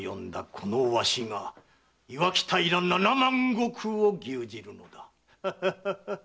このわしが磐城平七万石を牛耳るのだ。